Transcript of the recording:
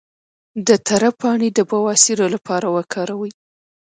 د تره پاڼې د بواسیر لپاره وکاروئ